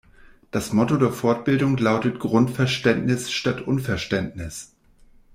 Das Motto der Fortbildung lautet Grundverständnis statt Unverständnis.